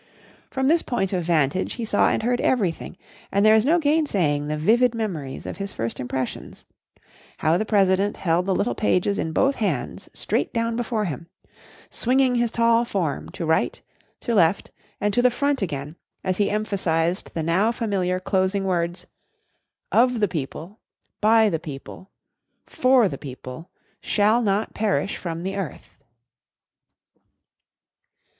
From this point of vantage he saw and heard everything, and there is no gainsaying the vivid memories of his first impressions how the President held the little pages in both hands straight down before him, swinging his tall form to right, to left and to the front again as he emphasized the now familiar closing words, "of the people by the people for the people shall not perish from the earth."